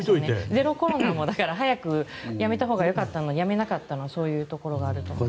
ゼロコロナも早くやめたほうがよかったのにやめなかったのはそういうところがあると思います。